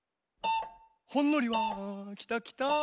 ほんのりはきたきた。